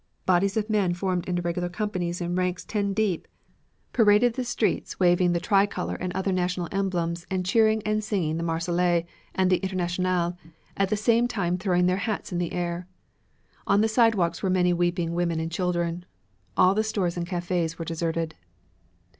Bodies of men formed into regular companies in ranks ten deep, paraded the streets waving the tricolor and other national emblems and cheering and singing the "Marseillaise" and the "Internationale," at the same time throwing their hats in the air. On the sidewalks were many weeping women and children. All the stores and cafes were deserted.